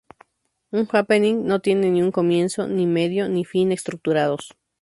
Un "happening" no tiene ni un comienzo, ni medio, ni fin estructurados.